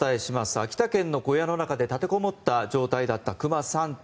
秋田県の小屋の中で立てこもった状態だった熊３頭。